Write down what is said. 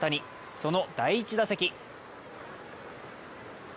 その第１打席。